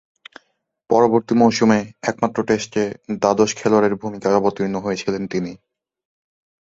পরবর্তী মৌসুমে একমাত্র টেস্টে দ্বাদশ খেলোয়াড়ের ভূমিকায় অবতীর্ণ হয়েছিলেন তিনি।